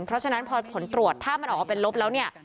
เพราะฉะนั้นพอผลตรวจถ้ามันออกมาเป็นลบแล้วเนี่ย